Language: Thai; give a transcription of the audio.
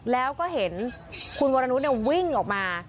แล้วก็เห็นคุณวรนุษย์วิ่งออกมา